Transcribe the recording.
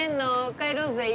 帰ろうぜい。